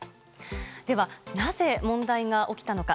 では、なぜ問題が起きたのか。